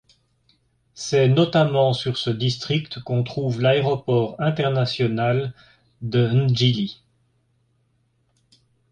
C'est notamment sur ce district qu'on trouve l'aéroport international de Ndjili.